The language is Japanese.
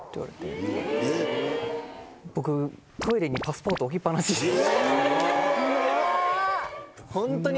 僕トイレにパスポート置きっ放しにしてて。